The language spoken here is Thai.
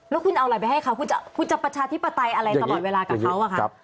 แล้วคุณเอาอะไรไปให้เขาคุณจะประชาธิปไตยอะไรตลอดเวลากับเขาอะค่ะ